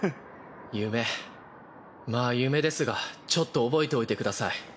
夢まあ夢ですがちょっと覚えておいてください。